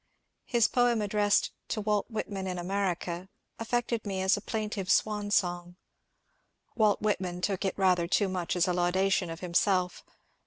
His poem addressed ^^ to Walt Whitman in America " affected me as a plaintive swan song. Walt Whit man took it rather too much as a laudation of himself.